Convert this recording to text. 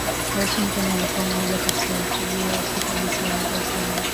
Washington alikuwa mmoja kati ya matajiri wakuu kabisa wa Virginia